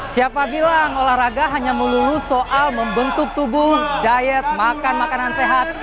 siapa bilang olahraga hanya melulus soal membentuk tubuh diet makan makanan sehat